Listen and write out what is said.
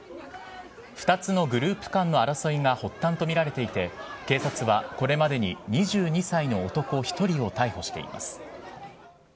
２つのグループ間の争いが発端と見られていて、警察はこれまでに２２歳の男１人を逮捕しています。